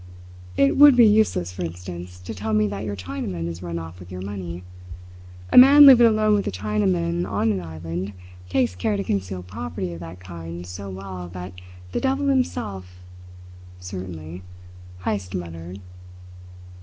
"It would be useless, for instance, to tell me that your Chinaman has run off with your money. A man living alone with a Chinaman on an island takes care to conceal property of that kind so well that the devil himself " "Certainly," Heyst muttered.